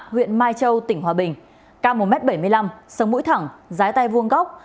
huyện mai châu tỉnh hòa bình cao một m bảy mươi năm sống mũi thẳng trái tay vuông góc